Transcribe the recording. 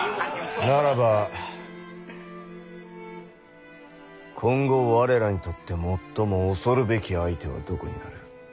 ならば今後我らにとって最も恐るべき相手はどこになる？